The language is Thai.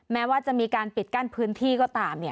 แม้ว่าจะมีการปิดกั้นพื้นที่ก็ตาม